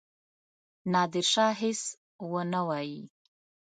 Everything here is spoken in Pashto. نادرشاه هیڅ ونه وايي.